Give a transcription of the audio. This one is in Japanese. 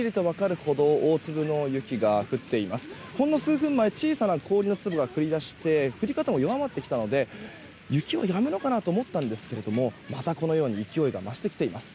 ほんの数分前まで小さな氷の粒が降り出して降り方も弱まってきたので雪はやむのかなと思ったんですけれどもまたこのように勢いが増してきています。